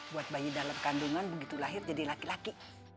buat bayi dalam kandungan begitu lahir jadi laki laki